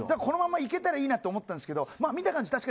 このまま行けたらいいなと思ったんですけどまあ見た感じ